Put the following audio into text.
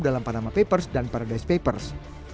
dalam panama papers dan paradise papers